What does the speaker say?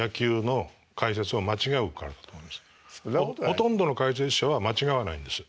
ほとんどの解説者は間違わないんです。